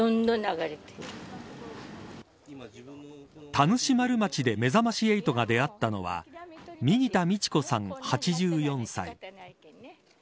田主丸町でめざまし８が出会ったのは右田美智子さん８４歳。